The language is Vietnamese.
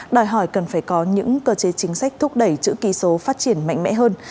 đòi hỏi cần phải có những cơ chế chính sách thúc đẩy chữ ký số phát triển mạnh mẽ hơn